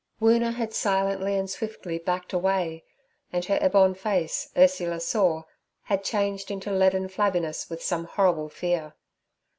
Woona had silently and swiftly backed away; and her ebon face, Ursula saw, had changed into leaden flabbiness with some horrible fear.